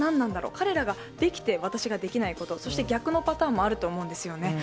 彼らができて私ができないこと、そして逆のパターンもあると思うんですよね。